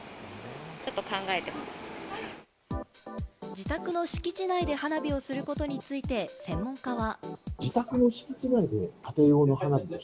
自宅の敷地内で花火をすることについて専門家は。